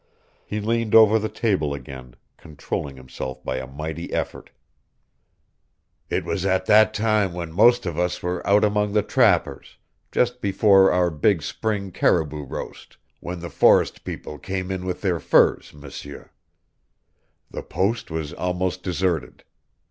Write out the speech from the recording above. He leaned over the table again, controlling himself by a mighty effort. "It was at that time when most of us were out among the trappers, just before our big spring caribou roast, when the forest people came in with their furs, M'seur. The post was almost deserted.